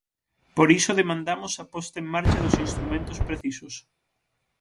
Por iso demandamos a posta en marcha dos instrumentos precisos.